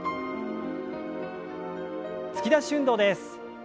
突き出し運動です。